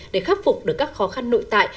để khắc phục được các khó khăn nội tại